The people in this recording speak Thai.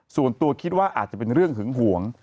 ส่วนตัวคิดว่าอาจจะเป็นเรื่องหึงหวง